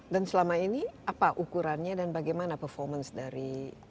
dan selama ini apa ukurannya dan bagaimana performance dari